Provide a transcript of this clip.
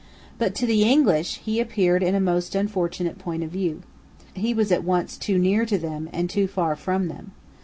But to the English he appeared in a most unfortunate point of view. He was at once too near to them and too far from them.